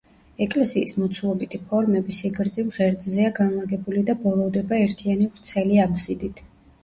ეკლესიის მოცულობითი ფორმები სიგრძივ ღერძზეა განლაგებული და ბოლოვდება ერთიანი ვრცელი აბსიდით.